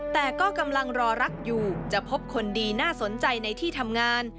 แต่ก็กำลังรอรักอยู่จะพบคนดีน่าสนใจในที่ทำงาน